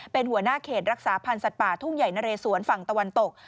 เป็นหัวหน้าเขตรักษาพันธ์สัตว์ป่าทุ่งใหญ่นะเรสวนฝั่งตะวันตก